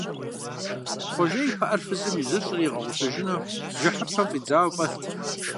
Хъуэжэ и пыӀэр фызым ижьыщӀри, игъэгъущыжыну бжыхьыпэм фӀидзауэ фӀэлът.